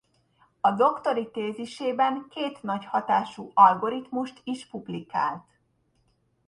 A doktori tézisében két nagy hatású algoritmust is publikált.